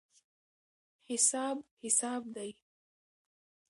حساب حساب دی.